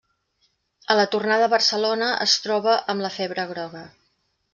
A la tornada a Barcelona es troba amb la febre groga.